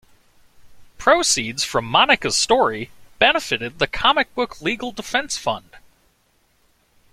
Proceeds from "Monica's Story" benefitted the Comic Book Legal Defense Fund.